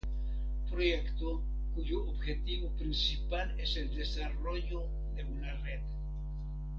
proyecto cuyo objetivo principal es el desarrollo de una red